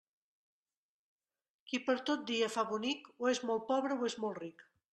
Qui per tot dia fa bonic, o és molt pobre o és molt ric.